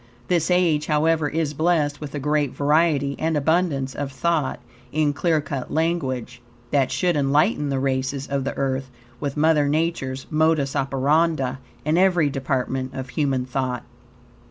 This age, however, is blessed with a great variety and abundance of thought, in clear cut language, that should enlighten the races of the Earth with Mother Nature's modus operandi in every department of human thought.